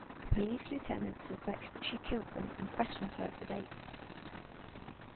A police lieutenant suspects that she killed them and questions her for days.